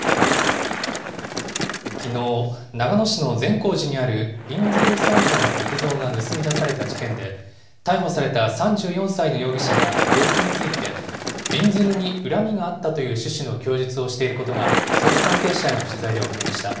きのう、長野市の善光寺にあるびんずる尊者の木像が盗み出された事件で、逮捕された３４歳の容疑者が、動機について、びんずるに恨みがあったという趣旨の供述をしていることが、捜査関係者への取材で分かりました。